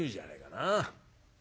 なあ。